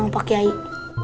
emang pake air